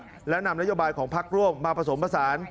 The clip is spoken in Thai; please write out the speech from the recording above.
ไปหลักและนำนโยบายของภาคร่วมมาผสมภาษา